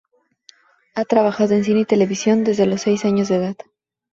Ha trabajado en cine y televisión desde los seis años de edad.